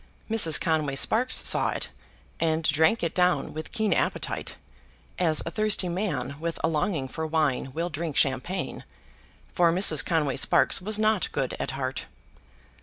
Mrs. Conway Sparkes saw it, and drank it down with keen appetite, as a thirsty man with a longing for wine will drink champagne, for Mrs. Conway Sparkes was not good at heart.